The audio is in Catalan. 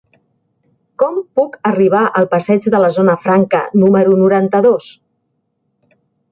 Com puc arribar al passeig de la Zona Franca número noranta-dos?